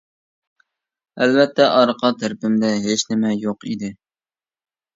ئەلۋەتتە، ئارقا تەرىپىمدە ھېچنېمە يوق ئىدى.